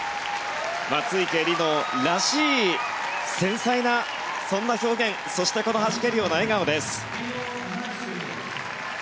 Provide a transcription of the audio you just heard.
松生理乃らしい繊細なそんな表現そしてこのはじけるような笑顔です。